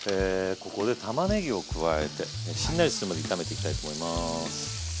ここでたまねぎを加えてしんなりするまで炒めていきたいと思います。